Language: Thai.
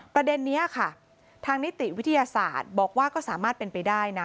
ประเด็นนี้ค่ะทางนิติวิทยาศาสตร์บอกว่าก็สามารถเป็นไปได้นะ